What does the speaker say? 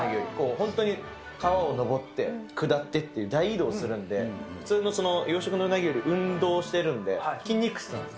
本当に川を上って下ってっていう、大移動するんで、普通の養殖のうなぎより運動してるんで、筋肉質なんです。